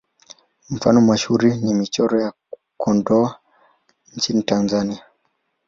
Mfano mashuhuri ni Michoro ya Kondoa nchini Tanzania.